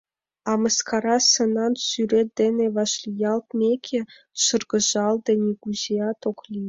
А мыскара сынан сӱрет дене вашлиялтмеке, шыргыжалде нигузеат ок лий.